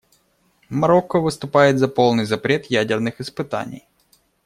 Марокко выступает за полный запрет ядерных испытаний.